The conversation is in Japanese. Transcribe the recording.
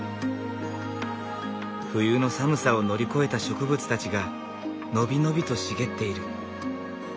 冬の寒さを乗り越えた植物たちが伸び伸びと茂っている。